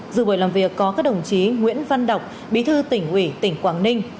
dự buổi làm việc có các đồng chí nguyễn văn đọc bí thư tỉnh ủy tỉnh quảng ninh